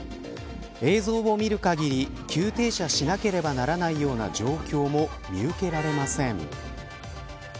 映像を見る限り急停車しなければならないような状況も見受けられません。